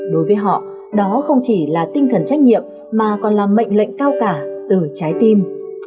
đối với họ đó không chỉ là tinh thần trách nhiệm mà còn là mệnh lệnh cao cả từ trái tim